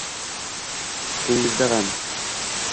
Ko’zingda g’am